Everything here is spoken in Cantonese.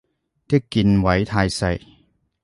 啲鍵位太細